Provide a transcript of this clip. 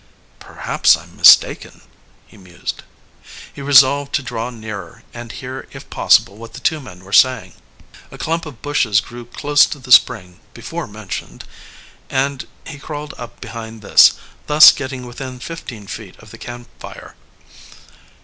"Perhaps I'm mistaken," he mused. He resolved to draw nearer and hear if possible what the two men were saying. A clump of bushes grew close to the spring before mentioned, and he crawled up behind this, thus getting within fifteen feet of the campfire.